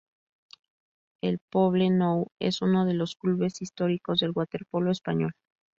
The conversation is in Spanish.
El Poble Nou es uno de los clubes históricos del waterpolo español.